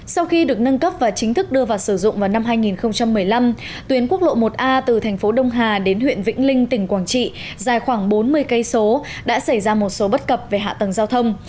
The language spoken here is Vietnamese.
sau khi được nâng cấp và chính thức đưa vào sử dụng vào năm hai nghìn một mươi năm tuyến quốc lộ một a từ thành phố đông hà đến huyện vĩnh linh tỉnh quảng trị dài khoảng bốn mươi km đã xảy ra một số bất cập về hạ tầng giao thông